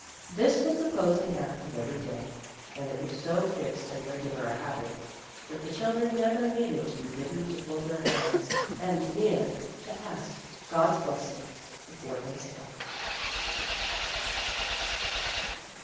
This was the closing act of every day; and it was so fixed and regular a habit, that the children never needed to be bidden to fold their hands, and kneel to ask God's blessing before they slept.